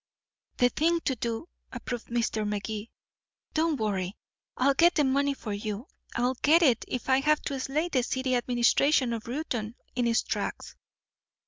"The thing to do," approved Mr. Magee. "Don't worry. I'll get the money for you. I'll get it if I have to slay the city administration of Reuton in its tracks."